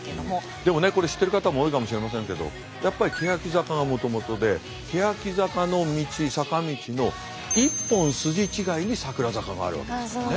でもねこれ知っている方も多いかもしれませんけどやっぱりけやき坂がもともとでけやき坂の道坂道の１本筋違いにさくら坂があるわけですよね。